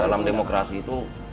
dalam demokrasi itu